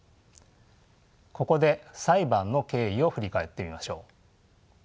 ここで裁判の経緯を振り返ってみましょう。